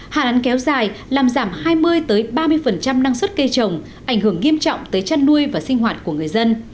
hạn án kéo dài làm giảm hai mươi ba mươi năng suất cây trồng ảnh hưởng nghiêm trọng tới chăn nuôi và sinh hoạt của người dân